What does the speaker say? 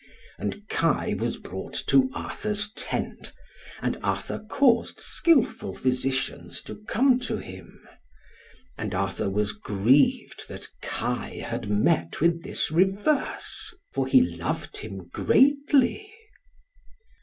And Kai was brought to Arthur's tent, and Arthur caused skilful physicians to come to him. And Arthur was grieved that Kai had met with this reverse, for he loved him greatly.